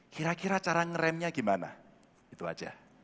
kira kira cara ngeremnya gimana itu aja